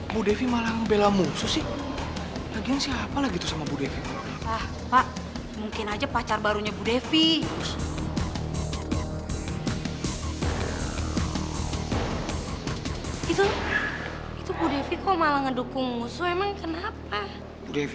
bu devi malah bela musuh sih lagi siapa lagi sama bu devi mungkin aja pacar barunya bu devi